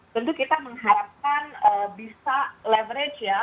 tentu kita mengharapkan bisa leverage ya